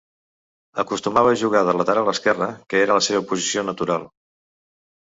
Acostumava a jugar de lateral esquerre, que era la seva posició natural.